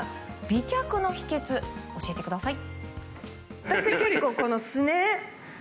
美脚の秘訣教えてください！